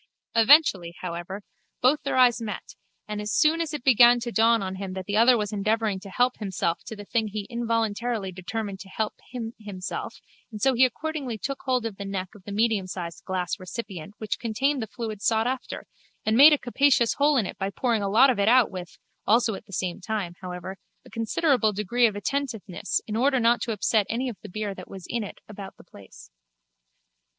Eventually, however, both their eyes met and as soon as it began to dawn on him that the other was endeavouring to help himself to the thing he involuntarily determined to help him himself and so he accordingly took hold of the neck of the mediumsized glass recipient which contained the fluid sought after and made a capacious hole in it by pouring a lot of it out with, also at the same time, however, a considerable degree of attentiveness in order not to upset any of the beer that was in it about the place.